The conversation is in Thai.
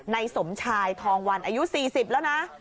สมชายทองวันอายุ๔๐แล้วนะ